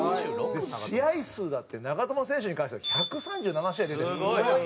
試合数だって長友選手に関しては１３７試合出てるんですよ。